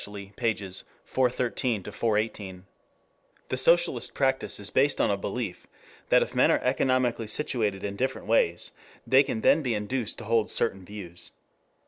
pp. 413 418.] The socialist practice is based on a belief that if men are economically situated in different ways, they can then be induced to hold certain views.